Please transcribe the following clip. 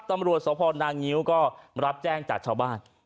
ตำรวจสพนางิ้วก็รับแจ้งจากชาวบ้าน